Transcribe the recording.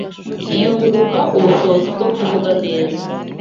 yunguka ubushobozi bwo kuvuga neza